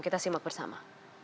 kita simak bersama